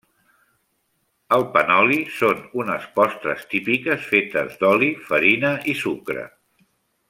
El panoli són unes postres típiques fetes d'oli, farina i sucre.